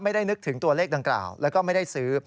นึกถึงตัวเลขดังกล่าวแล้วก็ไม่ได้ซื้อ